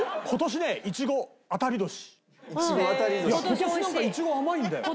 今年なんかイチゴ甘いんだよ。